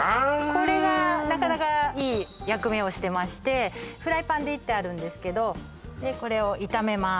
これがなかなかいい役目をしてましてフライパンで炒ってあるんですけどこれを炒めます